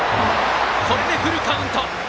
これでフルカウント。